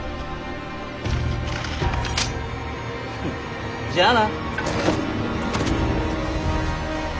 フッじゃあな。